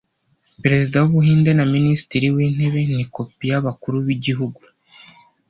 Perezida w’Ubuhinde na Minisitiri w’intebe ni kopi y’abakuru b’igihugu